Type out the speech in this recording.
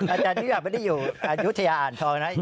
อาจารย์ยุทยาไม่ได้อยู่อยุทยาอ่างทองนะ